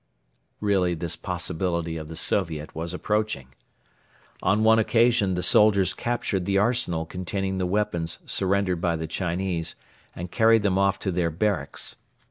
Really this possibility of the Soviet was approaching. On one occasion the soldiers captured the arsenal containing the weapons surrendered by the Chinese and carried them off to their barracks.